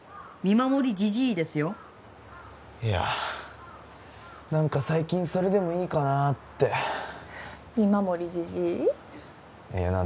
見守りじじいですよいやなんか最近それでもいいかなって見守りじじい？